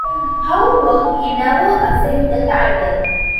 However, he never assumed the title.